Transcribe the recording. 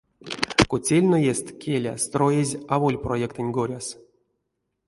Котельноест, келя, строязь аволь проектэнь коряс.